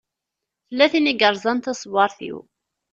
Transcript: Tella tin i yeṛẓan taṣewwaṛt-iw.